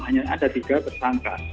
hanya ada tiga persangka